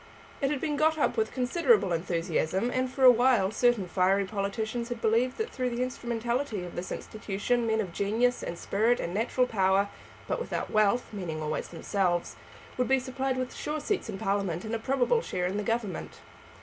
It had been got up with considerable enthusiasm, and for a while certain fiery politicians had believed that through the instrumentality of this institution men of genius, and spirit, and natural power, but without wealth, meaning always themselves, would be supplied with sure seats in Parliament and a probable share in the Government.